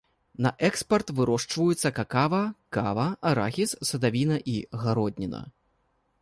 На экспарт вырошчваюцца какава, кава, арахіс, садавіна і гародніна.